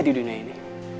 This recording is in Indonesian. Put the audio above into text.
di dunia ini